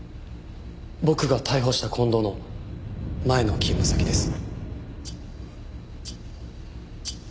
僕が逮捕した近藤の前の勤務先です。